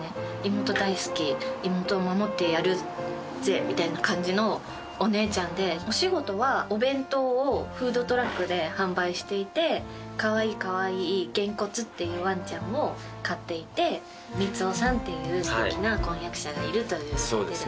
妹大好き妹を守ってやるぜみたいな感じのお姉ちゃんでお仕事はお弁当をフードトラックで販売していてかわいいかわいいゲンコツっていうワンちゃんも飼っていて満男さんっていう素敵な婚約者がいるという設定でございます